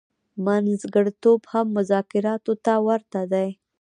منځګړتوب هم مذاکراتو ته ورته دی.